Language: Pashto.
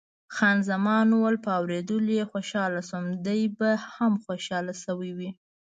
خان زمان وویل، په اورېدلو یې خوشاله شوم، دی به هم خوشاله شوی وي.